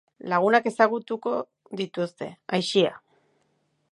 Lagunak ezagutuko dituzte, aisia.